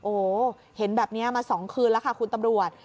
โอ้โหเห็นแบบนี้มา๒คืนแล้วค่ะคุณตำรวจ